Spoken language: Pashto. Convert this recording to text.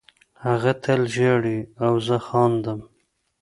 هغه تل ژاړي او زه خاندم